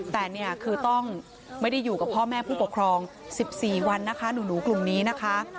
แต่เนี่ยคือต้องไม่ได้อยู่กับพ่อแม่ผู้ปกครอง๑๔วันนะคะหนูกลุ่มนี้นะคะ